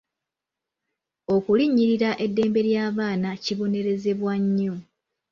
Okulinnyirira eddembe ly'abaana kibonerezebwa nnyo.